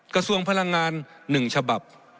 กระทรวงพลังงาน๑ฉบับ